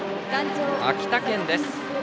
秋田県です。